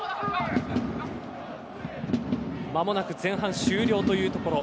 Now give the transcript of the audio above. まもなく前半終了というところ。